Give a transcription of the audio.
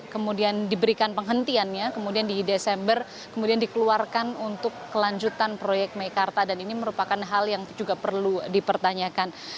kemudian diberikan penghentiannya kemudian di desember kemudian dikeluarkan untuk kelanjutan proyek meikarta dan ini merupakan hal yang juga perlu dipertanyakan